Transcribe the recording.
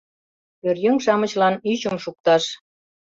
Пӧръеҥ-шамычлан ӱчым шукташ.